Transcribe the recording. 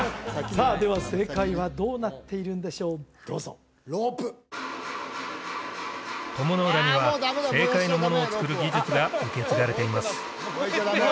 さあでは正解はどうなっているんでしょうどうぞ鞆の浦には正解のものをつくる技術が受け継がれています